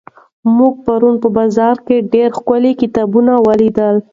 موږ پرون په بازار کې ډېر ښکلي کتابونه ولیدل.